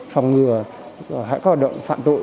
phòng ngừa hãi các hoạt động phạm tội